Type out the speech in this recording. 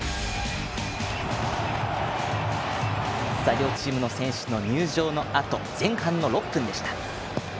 両チームの選手の入場のあと前半の６分でした。